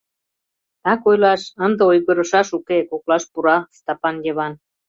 — Так ойлаш, ынде ойгырышаш уке, — коклаш пура Стапан Йыван.